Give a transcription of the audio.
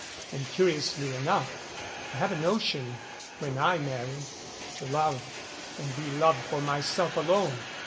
And, curiously enough, I have a notion when I marry,, to love and be loved for myself alone.